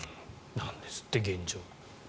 なんですって、現状。